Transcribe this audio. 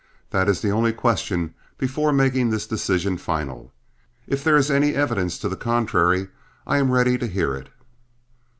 That is the only question before making this decision final. If there is any evidence to the contrary, I am ready to hear it."